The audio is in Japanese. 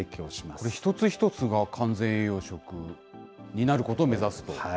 これ、一つ一つが完全栄養食になることを目指すと。